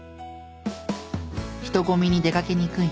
人混みに出かけにくい。